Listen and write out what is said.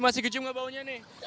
masih tercium atau baunya